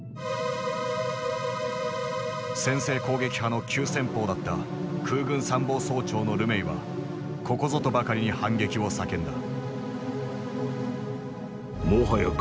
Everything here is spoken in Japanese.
先制攻撃派の急先鋒だった空軍参謀総長のルメイはここぞとばかりに反撃を叫んだ。